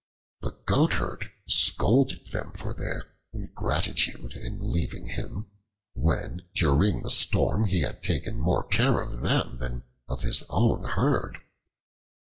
The Goatherd scolded them for their ingratitude in leaving him, when during the storm he had taken more care of them than of his own herd.